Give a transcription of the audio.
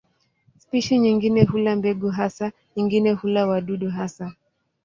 Spishi nyingine hula mbegu hasa, nyingine hula wadudu hasa.